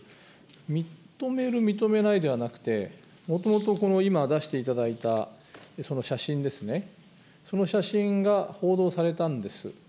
認める、認めないではなくて、もともと今出していただいた、その写真ですね、その写真が報道されたんです。